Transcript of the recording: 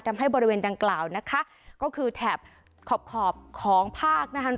บริเวณดังกล่าวนะคะก็คือแถบขอบของภาคนะคะ